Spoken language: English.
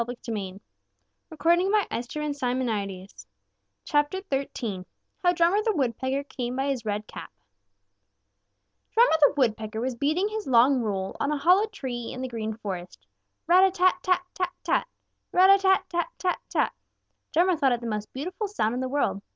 XIII HOW DRUMMER THE WOODPECKER CAME BY HIS RED CAP XIII HOW DRUMMER THE WOODPECKER CAME BY HIS RED CAP Drummer the Woodpecker was beating his long roll on a hollow tree in the Green Forest. Rat a tat tat tat tat! Rat a tat tat tat tat! Drummer thought it the most beautiful sound in the world.